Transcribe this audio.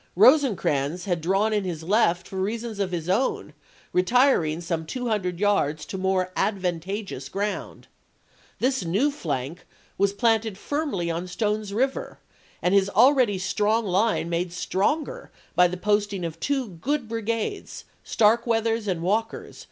Rosecrans had drawn in his left for reasons of his own, retiring some two hundred yards to more advantageous ground. This new PEBEYVILLE AND MUKFEEESBOEO 291 flank was planted firmly on Stone's River and Ms ch. xiii. already strong line made stronger by the posting RosecrMiB, of two good brigades, Starkweather's and Walker's, voYxx..